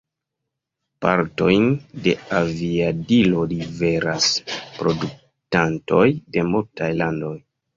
Partojn de aviadilo liveras produktantoj de multaj landoj.